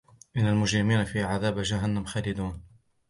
إن المجرمين في عذاب جهنم خالدون